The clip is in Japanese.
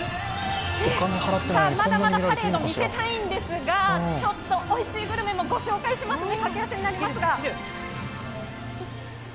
まだまだパレード見せたいんですが、ちょっとおいしいグルメもご紹介しますね、駆け足になりますが。